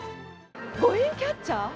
５円キャッチャー？